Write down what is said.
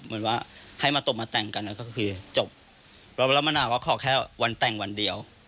เหมือนว่าให้มาตบมาแต่งกันก็คือจบแล้วมะนาวว่าขอแค่วันแต่งวันเดียว